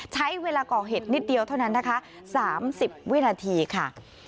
ใช้เวลาก่อเหตุนิดเดียวเท่านั้นนะคะ๓๐วินาทีค่ะ